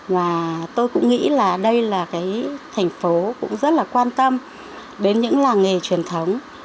và tôi cũng nghĩ là đây là cái thành phố cũng rất là quan tâm đến những làng nghề truyền thống